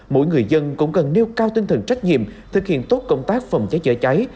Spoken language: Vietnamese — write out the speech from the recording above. mỗi người dân cũng cần nêu cao tinh thần trách nhiệm thực hiện tốt công tác phòng cháy chữa cháy